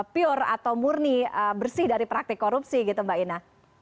pure atau murni bersih dari praktik korupsi gitu mbak ina